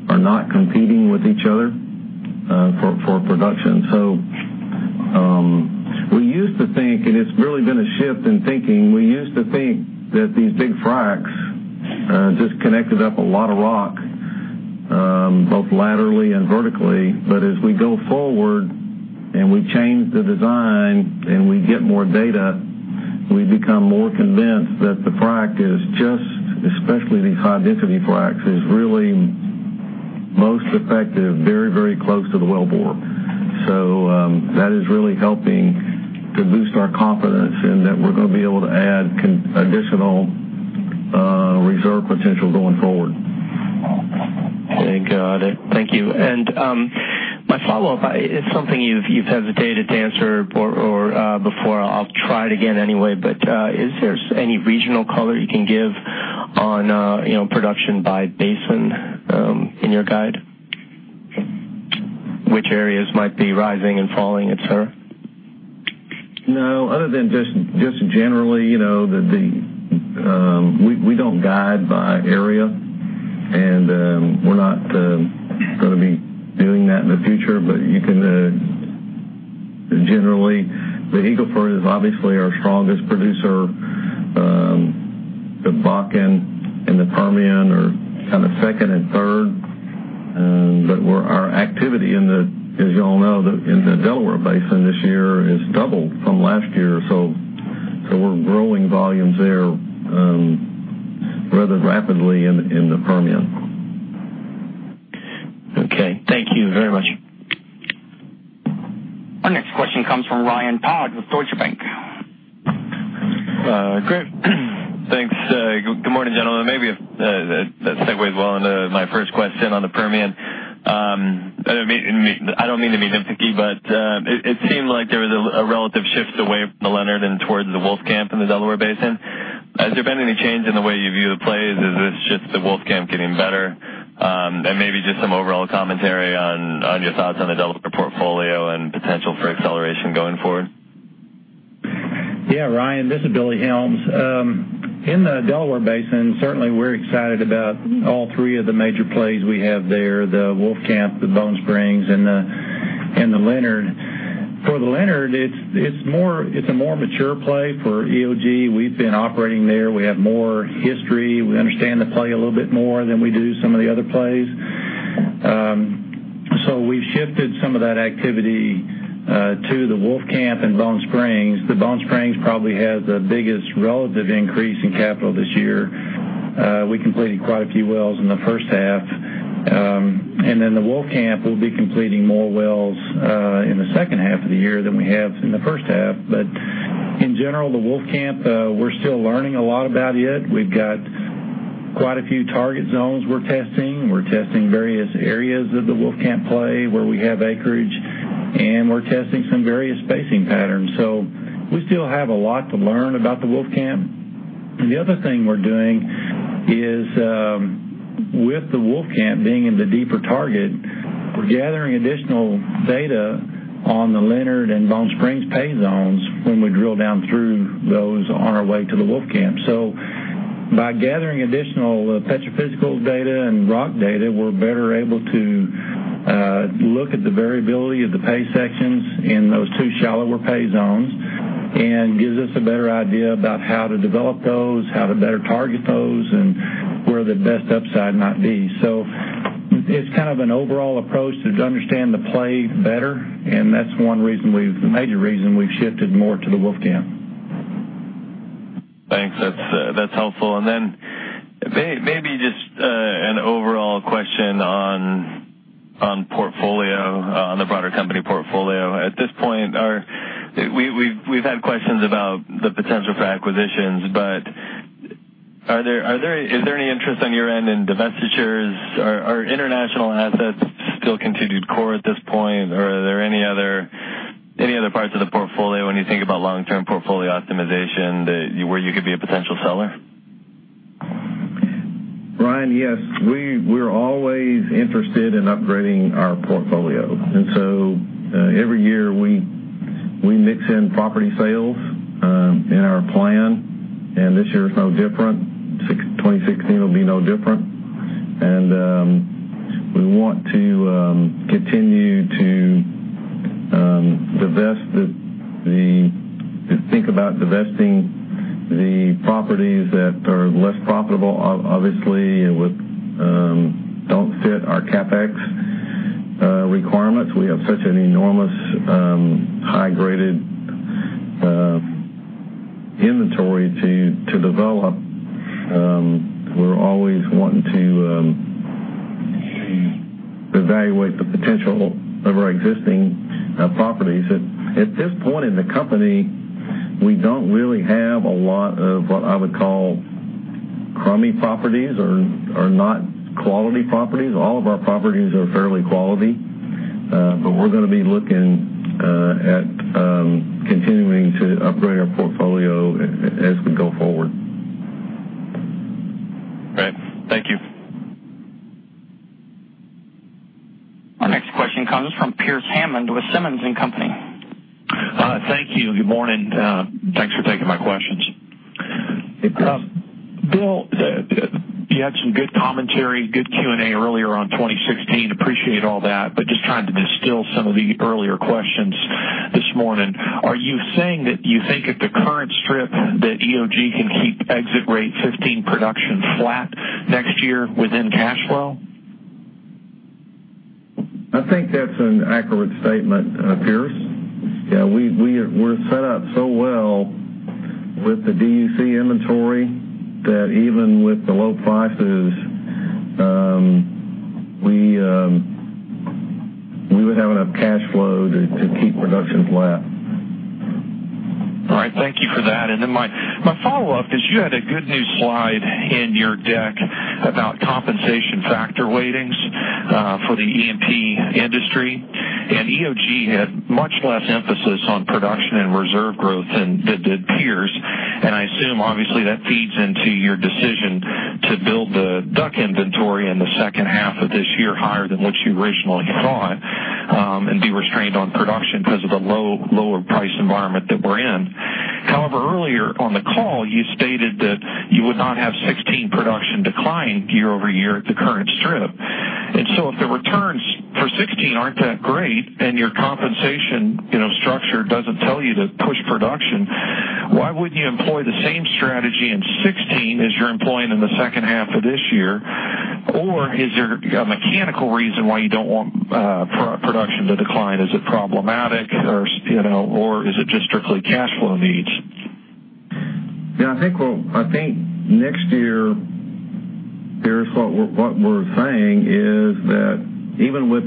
are not competing with each other for production. We used to think, and it's really been a shift in thinking. We used to think that these big fracks just connected up a lot of rock, both laterally and vertically. As we go forward and we change the design and we get more data, we become more convinced that the frack is just, especially these high-density fracks, is really most effective very close to the wellbore. That is really helping to boost our confidence and that we're going to be able to add additional reserve potential going forward. Okay, got it. Thank you. My follow-up is something you've hesitated to answer before. I'll try it again anyway, is there any regional color you can give on production by basin in your guide? Which areas might be rising and falling, et cetera? No, other than just generally, we don't guide by area, and we're not going to be doing that in the future. You can generally, the Eagle Ford is obviously our strongest producer. The Bakken and the Permian are kind of second and third. Our activity in the, as you all know, in the Delaware Basin this year has doubled from last year, so we're growing volumes there rather rapidly in the Permian. Okay. Thank you very much. Our next question comes from Ryan Todd with Deutsche Bank. Great. Thanks. Good morning, gentlemen. Maybe that segues well into my first question on the Permian. I don't mean to be nitpicky, but it seemed like there was a relative shift away from the Leonard and towards the Wolfcamp in the Delaware Basin. Has there been any change in the way you view the plays? Is this just the Wolfcamp getting better? Maybe just some overall commentary on your thoughts on the Delaware portfolio and potential for acceleration going forward. Yeah, Ryan, this is Billy Helms. In the Delaware Basin, certainly, we're excited about all three of the major plays we have there, the Wolfcamp, the Bone Springs, and the Leonard. For the Leonard, it's a more mature play for EOG. We've been operating there. We have more history. We understand the play a little bit more than we do some of the other plays. We've shifted some of that activity to the Wolfcamp and Bone Springs. The Bone Springs probably has the biggest relative increase in capital this year. We completed quite a few wells in the first half. The Wolfcamp will be completing more wells in the second half of the year than we have in the first half. In general, the Wolfcamp, we're still learning a lot about it. We've got quite a few target zones we're testing. We're testing various areas of the Wolfcamp play where we have acreage, and we're testing some various spacing patterns. We still have a lot to learn about the Wolfcamp. The other thing we're doing is, with the Wolfcamp being in the deeper target, we're gathering additional data on the Leonard and Bone Springs pay zones when we drill down through those on our way to the Wolfcamp. By gathering additional petrophysical data and rock data, we're better able to look at the variability of the pay sections in those two shallower pay zones and gives us a better idea about how to develop those, how to better target those, and where the best upside might be. It's kind of an overall approach to understand the play better, and that's one reason the major reason we've shifted more to the Wolfcamp. Thanks. That's helpful. Then maybe just an overall question on the broader company portfolio. At this point, we've had questions about the potential for acquisitions, is there any interest on your end in divestitures? Are international assets still continued core at this point, are there any other parts of the portfolio when you think about long-term portfolio optimization that where you could be a potential seller? Ryan, yes. We're always interested in upgrading our portfolio. Every year we mix in property sales in our plan, this year is no different. 2016 will be no different. We want to continue to think about divesting the properties that are less profitable, obviously, and don't fit our CapEx requirements. We have such an enormous high-graded inventory to develop. We're always wanting to evaluate the potential of our existing properties. At this point in the company, we don't really have a lot of what I would call crummy properties or not quality properties. All of our properties are fairly quality. We're going to be looking at continuing to upgrade our portfolio as we go forward. Great. Thank you. Our next question comes from Pearce Hammond with Simmons & Company. Thank you. Good morning. Thanks for taking my questions. Hey, Pearce. Bill, you had some good commentary, good Q&A earlier on 2016. Appreciate all that, just trying to distill some of the earlier questions this morning. Are you saying that you think at the current strip that EOG can keep exit rate 15 production flat next year within cash flow? I think that's an accurate statement, Pearce. Yeah, we're set up so well with the DUC inventory that even with the low prices, we would have enough cash flow to keep production flat. All right. Thank you for that. My follow-up is, you had a good new slide in your deck about compensation factor weightings for the E&P industry, EOG had much less emphasis on production and reserve growth than did peers, I assume obviously that feeds into your decision to build the DUC inventory in the second half of this year higher than what you originally thought, be restrained on production because of the lower price environment that we're in. However, earlier on the call, you stated that you would not have 2016 production decline year-over-year at the current strip. If the returns for 2016 aren't that great and your compensation structure doesn't tell you to push production, why wouldn't you employ the same strategy in 2016 as you're employing in the second half of this year? Is there a mechanical reason why you don't want production to decline? Is it problematic or is it just strictly cash flow needs? Yeah. I think next year, Pearce, what we're saying is that even with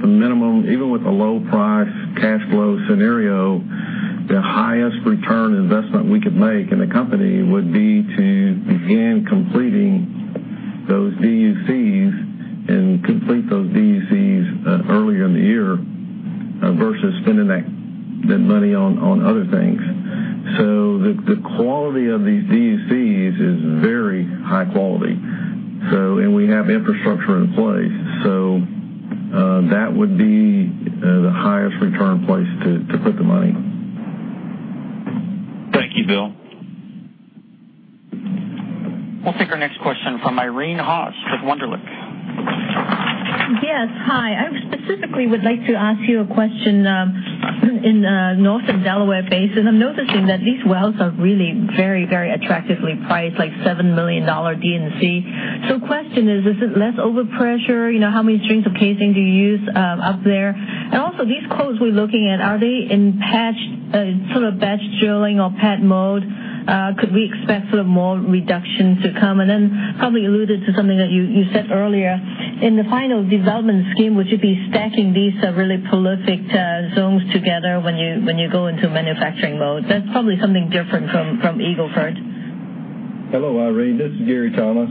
a low price cash flow scenario, the highest return on investment we could make in the company would be to begin completing those DUCs and complete those DUCs earlier in the year versus spending that money on other things. The quality of these DUCs is very high quality. We have infrastructure in place. That would be the highest return place to put the money. Thank you, Bill. We'll take our next question from Irene Haas with Wunderlich. Yes, hi. I specifically would like to ask you a question in Northern Delaware Basin. I'm noticing that these wells are really very, very attractively priced, like $7 million D&C. Question is it less overpressure? How many strings of casing do you use up there? Also these quotes we're looking at, are they in sort of batch drilling or pad mode? Could we expect some more reduction to come? Probably alluded to something that you said earlier. In the final development scheme, would you be stacking these really prolific zones together when you go into manufacturing mode? That's probably something different from Eagle Ford. Hello, Irene, this is Gary Thomas.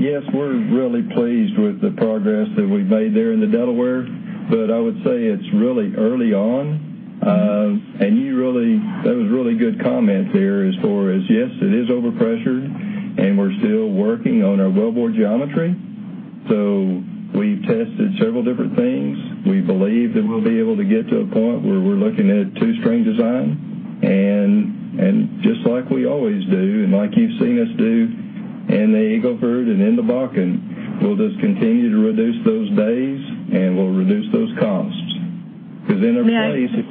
Yes, we're really pleased with the progress that we've made there in the Delaware, but I would say it's really early on. That was a really good comment there as far as, yes, it is overpressured, and we're still working on our well bore geometry. We've tested several different things. We believe that we'll be able to get to a point where we're looking at two-string design, and just like we always do, and like you've seen us do in the Eagle Ford and in the Bakken, we'll just continue to reduce those days, and we'll reduce those costs. May I?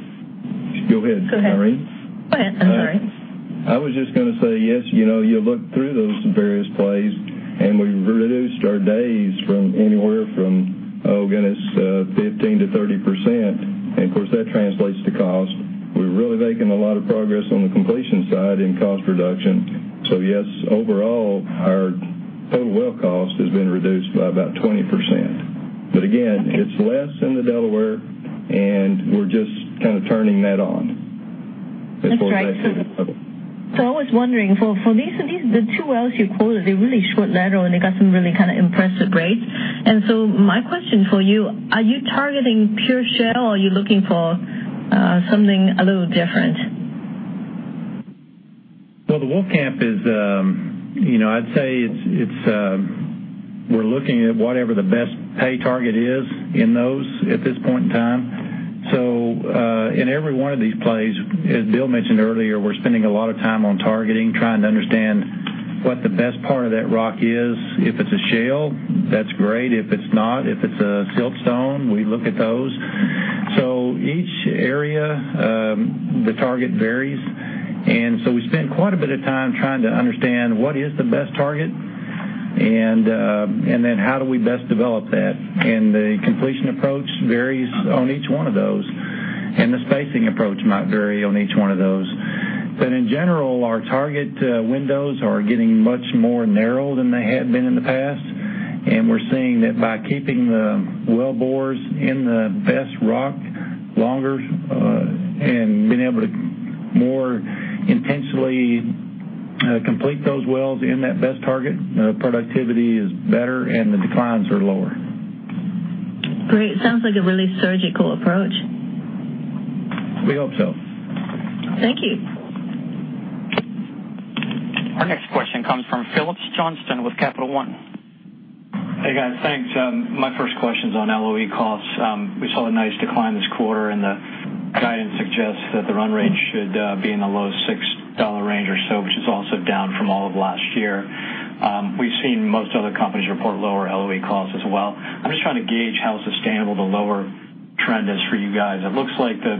Go ahead, Irene. Go ahead. I'm sorry. I was just going to say, yes, you look through those various plays, we've reduced our days from anywhere from, oh, goodness, 15%-30%. Of course, that translates to cost. We're really making a lot of progress on the completion side in cost reduction. Yes, overall, our total well cost has been reduced by about 20%. Again, it's less in the Delaware, and we're just kind of turning that on. That's right. I was wondering, for these two wells you quoted, they're really short lateral, and they got some really impressive grades. My question for you, are you targeting pure shale or are you looking for something a little different? Well, the Wolfcamp is, I'd say we're looking at whatever the best pay target is in those at this point in time. In every one of these plays, as Bill mentioned earlier, we're spending a lot of time on targeting, trying to understand what the best part of that rock is. If it's a shale, that's great. If it's not, if it's a siltstone, we look at those. Each area, the target varies. We spend quite a bit of time trying to understand what is the best target, and then how do we best develop that. The completion approach varies on each one of those, and the spacing approach might vary on each one of those. In general, our target windows are getting much more narrow than they had been in the past, and we're seeing that by keeping the wellbores in the best rock longer, and being able to more intentionally complete those wells in that best target, productivity is better and the declines are lower. Great. Sounds like a really surgical approach. We hope so. Thank you. Our next question comes from Phillips Johnston with Capital One. Hey, guys. Thanks. My first question's on LOE costs. We saw a nice decline this quarter, and the guidance suggests that the run rate should be in the low $6 range or so, which is also down from all of last year. We've seen most other companies report lower LOE costs as well. I'm just trying to gauge how sustainable the lower trend is for you guys. It looks like the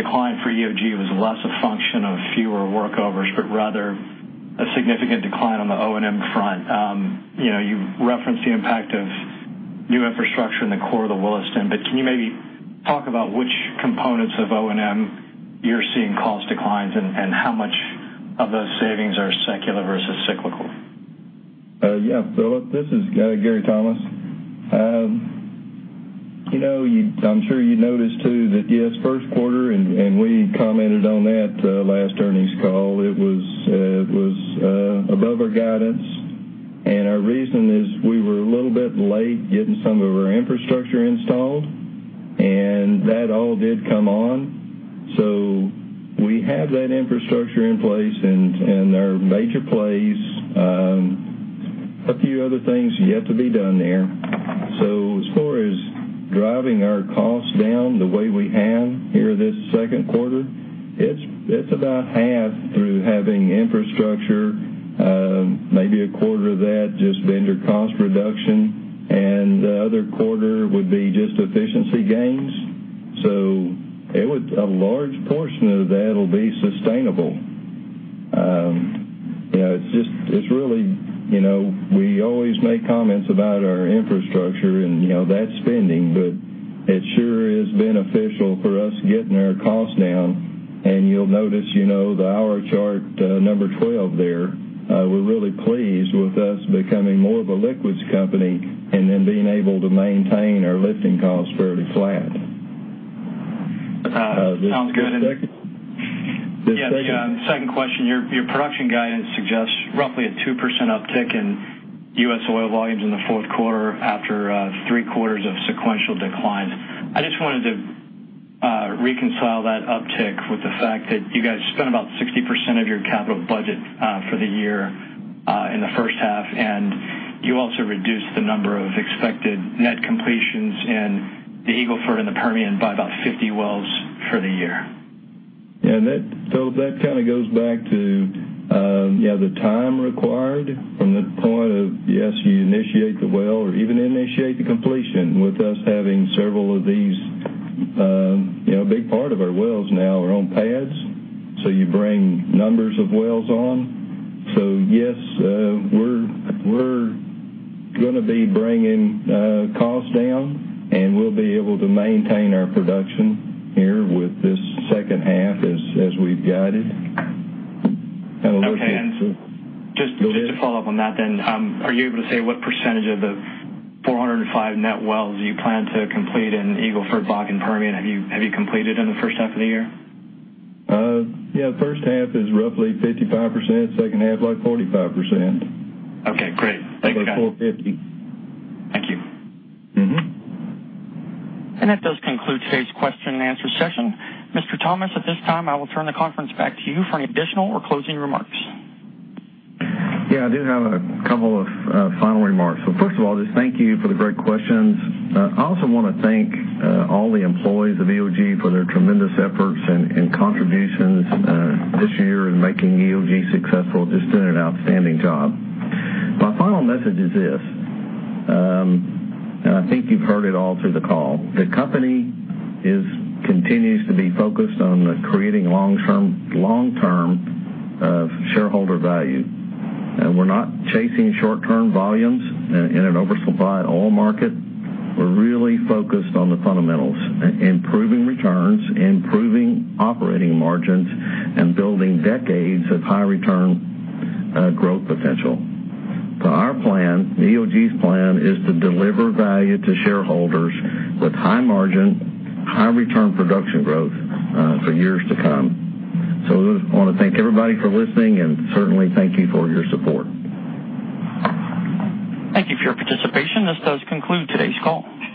decline for EOG was less a function of fewer workovers, but rather a significant decline on the O&M front. You've referenced the impact of new infrastructure in the core of the Williston, but can you maybe talk about which components of O&M you're seeing cost declines and how much of those savings are secular versus cyclical? Phillips, this is Gary Thomas. I'm sure you noticed too that, yes, first quarter, we commented on that last earnings call, it was above our guidance. Our reason is we were a little bit late getting some of our infrastructure installed, and that all did come on. We have that infrastructure in place in our major plays. A few other things yet to be done there. As far as driving our costs down the way we have here this second quarter, it's about half through having infrastructure, maybe a quarter of that just vendor cost reduction, and the other quarter would be just efficiency gains. A large portion of that'll be sustainable. We always make comments about our infrastructure and that spending, but it sure is beneficial for us getting our costs down. You'll notice, the our chart number 12 there, we're really pleased with us becoming more of a liquids company and then being able to maintain our lifting costs fairly flat. Sounds good. The second Yeah. Second question. Your production guidance suggests roughly a 2% uptick in U.S. oil volumes in the fourth quarter after three quarters of sequential decline. I just wanted to reconcile that uptick with the fact that you guys spent about 60% of your capital budget for the year in the first half, and you also reduced the number of expected net completions in the Eagle Ford and the Permian by about 50 wells for the year. Yeah. Phillips, that goes back to the time required from the point of, yes, you initiate the well or even initiate the completion with us having several of these. A big part of our wells now are on pads, so you bring numbers of wells on. yes, we're going to be bringing costs down, and we'll be able to maintain our production here with this second half as we've guided. Have a look at the- Okay. just to follow up on that then, are you able to say what percentage of the 405 net wells you plan to complete in Eagle Ford, Bakken, and Permian have you completed in the first half of the year? Yeah, the first half is roughly 55%, second half, 45%. Okay, great. Thank you. About 450. Thank you. That does conclude today's question and answer session. Mr. Thomas, at this time, I will turn the conference back to you for any additional or closing remarks. Yeah, I do have a couple of final remarks. first of all, just thank you for the great questions. I also want to thank all the employees of EOG for their tremendous efforts and contributions this year in making EOG successful. Just doing an outstanding job. My final message is this, and I think you've heard it all through the call. The company continues to be focused on creating long-term shareholder value. We're not chasing short-term volumes in an oversupply oil market. We're really focused on the fundamentals, improving returns, improving operating margins, and building decades of high return growth potential. our plan, EOG's plan, is to deliver value to shareholders with high margin, high return production growth for years to come. I want to thank everybody for listening and certainly thank you for your support. Thank you for your participation. This does conclude today's call.